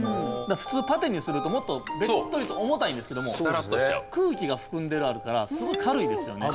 普通パテにするともっとべっとりと重たいんですけども空気が含んであるからすごい軽いですよね。